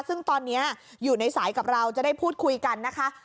ซึ่งตอนนี้อยู่ในสายกับเราจะได้พูดคุยกันนะคะ